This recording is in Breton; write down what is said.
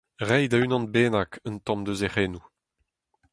reiñ da unan bennak un tamm eus e c'henoù